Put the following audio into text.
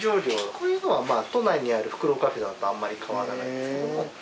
こういうのはまあ都内にあるフクロウカフェとあまり変わらないんですけども。